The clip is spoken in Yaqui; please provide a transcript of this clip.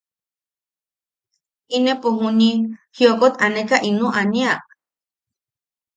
Inepo juni jiokot aneka ino ania?